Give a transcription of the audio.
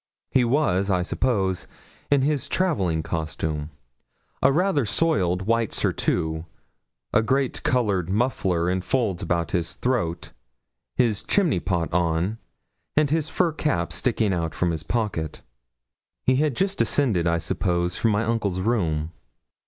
He was, I suppose, in his travelling costume a rather soiled white surtout, a great coloured muffler in folds about his throat, his 'chimney pot' on, and his fur cap sticking out from his pocket. He had just descended, I suppose, from my uncle's room.